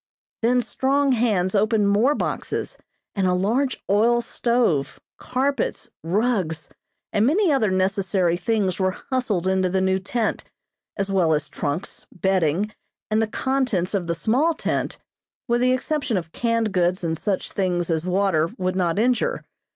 Then strong hands opened more boxes and a large oil stove, carpets, rugs and many other necessary things were hustled into the new tent, as well as trunks, bedding, and the contents of the small tent, with the exception of canned goods and such things as water would not injure.